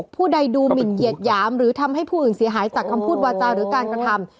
ผู้ใดดูหมินเหยียดหยามหรือทำให้ผู้อื่นเสียหายจากคำพูดวาจาหรือการกระทำ